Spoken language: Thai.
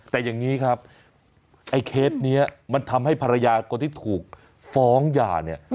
แต่อย่างนี้ครับไอ้เคสนี้มันทำให้ภรรยาคนที่ถูกฟ้องหย่าเนี่ย